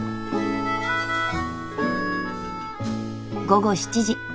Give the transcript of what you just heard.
午後７時。